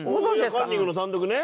カンニングの単独ね。